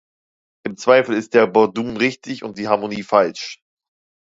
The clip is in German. Im Zweifel ist der Bordun richtig und die Harmonie falsch.